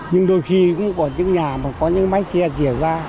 nhưng đôi khi cũng có những nhà mà có những máy xe diễn ra